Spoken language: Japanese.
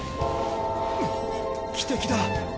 汽笛だ。